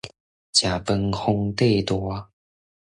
食飯皇帝大